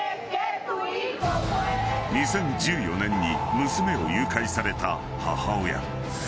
［２０１４年に娘を誘拐された母親］